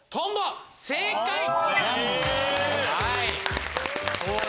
正解！